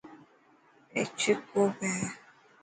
اي ڇهه ڪوپ هي.